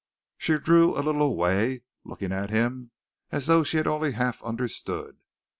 She drew a little away, looking at him as though she had only half understood.